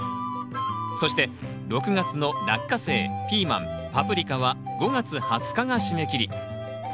そして６月のラッカセイピーマンパプリカは５月２０日が締め切り。